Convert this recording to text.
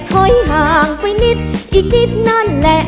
ถอยห่างไปนิดอีกนิดนั่นแหละ